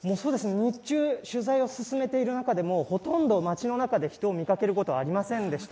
日中、取材を進めている中でも、ほとんど町の中で人を見かけることはありませんでした。